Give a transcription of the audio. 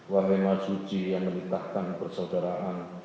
wahai maha suci yang menikahkan persaudaraan